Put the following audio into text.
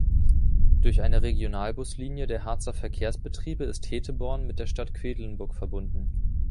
Durch eine Regionalbuslinie der Harzer Verkehrsbetriebe ist Heteborn mit der Stadt Quedlinburg verbunden.